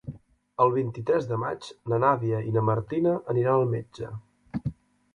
El vint-i-tres de maig na Nàdia i na Martina aniran al metge.